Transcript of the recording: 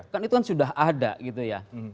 kan itu kan sudah ada gitu ya